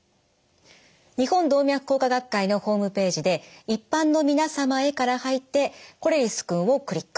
日本動脈硬化学会のホームページで「一般の皆様へ」から入って「これりすくん」をクリック。